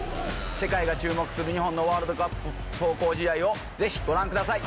世界が注目する日本のワールドカップ壮行試合をぜひご覧ください！